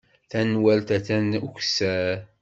Tanwalt attan ukessar.